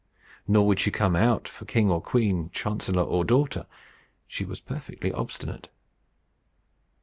Nor would she come out for king or queen, chancellor or daughter. She was perfectly obstinate.